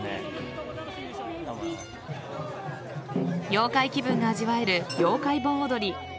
妖怪気分が味わえる妖怪盆踊り